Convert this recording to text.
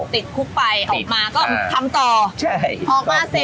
ติดคุกไปออกมาก็ทำต่อ